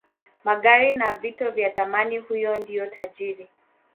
magari na vito vya thamani huyo ndio tajiri